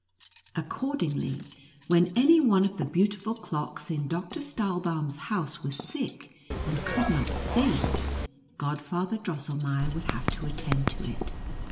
Accordingly, wlien any one of tlie beautiful clocks in Doctor Stahlbaum's house was sick, and could not sing, Godfather Drossel nder would have to attend it.